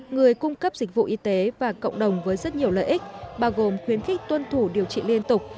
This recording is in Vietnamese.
người cung cấp dịch vụ y tế và cộng đồng với rất nhiều lợi ích bao gồm khuyến khích tuân thủ điều trị liên tục